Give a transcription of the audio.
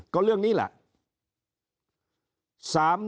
ก็เรื่องนี้แหละ